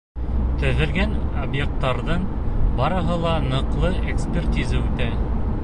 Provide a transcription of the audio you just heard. Төҙөлгән объекттарҙың барыһы ла ныҡлы экспертиза үтә.